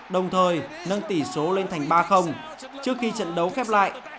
đồng thời nâng tỷ số lên thành ba trước khi trận đấu khép lại